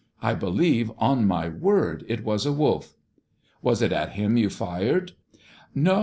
I believe, on my word, it was a wolf.' "'Was it at him you fired?' "'No.